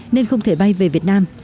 nên không thể bay về việt nam